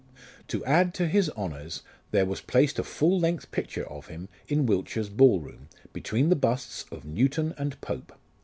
To add to his honours, there was placed a full length picture of him in Wiltshire's Bali Room, between the busts of Newton and Pope.